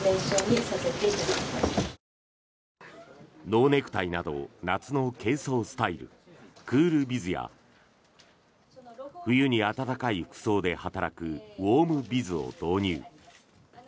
ノーネクタイなど夏の軽装スタイル、クールビズや冬に暖かい服装で働くウォームビズを導入。